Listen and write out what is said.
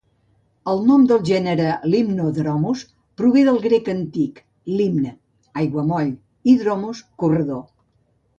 El nom del gènere "Limnodromus" prové del grec antic "limne" (aiguamoll) i "dromos" (corredor).